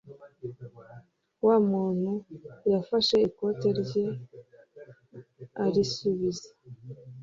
Wa muntu yafashe ikote rye arisubiza.